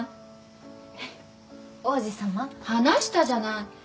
話したじゃない。